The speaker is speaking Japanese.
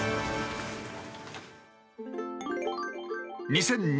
２００２年